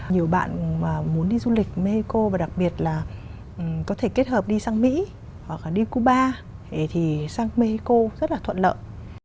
nhiều bạn mà muốn đi du lịch mexico và đặc biệt là có thể kết hợp đi sang mỹ hoặc là đi cuba thì sang mexico rất là thuận lợi